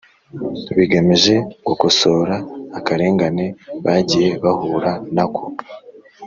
bigamije gukosora akarengane bagiye bahura na ko